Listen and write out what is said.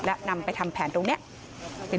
และนำไปทำแผนตรงนี้